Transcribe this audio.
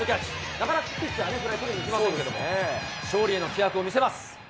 なかなかピッチャー、フライ捕りに行きませんけど、勝利への気迫を見せます。